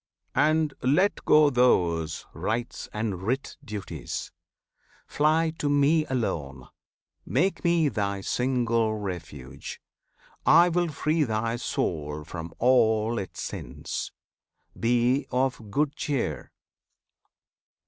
And let go those Rites and writ duties! Fly to Me alone! Make Me thy single refuge! I will free Thy soul from all its sins! Be of good cheer!